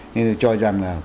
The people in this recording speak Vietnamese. nên tôi cho rằng là